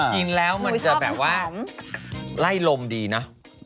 กินแล้วมันจะแบบว่าไล่ลมดีนะ